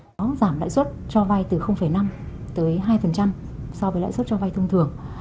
có giảm lãi suất cho vay từ năm tới hai so với lãi suất cho vay thông thường